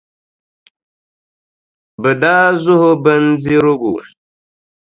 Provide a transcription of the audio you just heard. Bɛ daa zuhi o bindirigu.